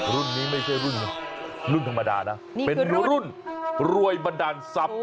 รุ่นนี้ไม่ใช่รุ่นรุ่นธรรมดานะเป็นรุ่นรวยบันดาลทรัพย์